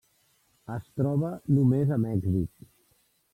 Es troba només a Mèxic.